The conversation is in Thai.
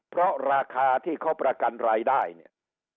เพราะราคาที่เขาประกันรายได้เนี่ย